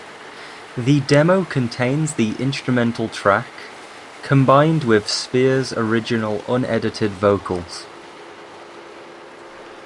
The demo contains the instrumental track, combined with Spears' original unedited vocals.